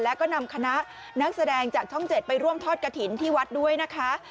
แล้วก็นำคณะนักแสดงจากช่อง๗ไปร่วมทอดกระถิ่นที่วัดด้วยนะคะ